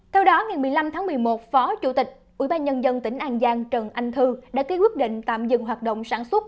theo đó ngày một mươi năm tháng một mươi một phó chủ tịch ubnd tỉnh an giang trần anh thư đã ký quyết định tạm dừng hoạt động sản xuất